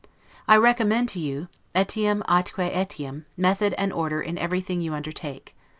I recommend to you, 'etiam atque etiam', method and order in everything you undertake.